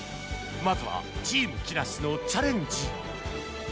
まずはチーム木梨のチャレンジ